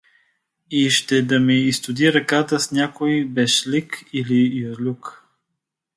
И ще да ми изстуди ръката с някой бешлик или юзлюк!